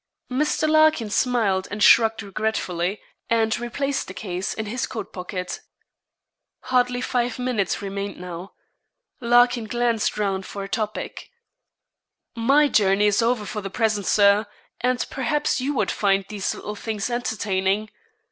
Mr. Larkin smiled and shrugged regretfully, and replaced the case in his coat pocket. Hardly five minutes remained now. Larkin glanced round for a topic. 'My journey is over for the present, Sir, and perhaps you would find these little things entertaining.'